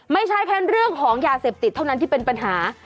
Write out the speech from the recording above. ไม่ใช่แค่เรื่องของยาเสพติดเท่านั้นที่เป็นปัญหา